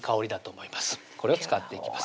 これを使っていきます